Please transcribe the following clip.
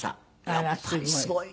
あらすごい。